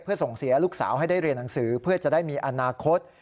เพื่อส่งเสียลูกสาวให้ได้เรียนหนังสือเพื่อจะได้มีอนาคต